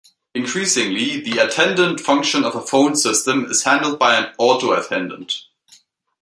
Increasingly, the attendant function of a phone system is handled by an auto-attendant.